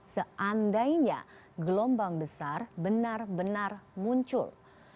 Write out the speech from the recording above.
seandainya gelombang besar benar benar muncul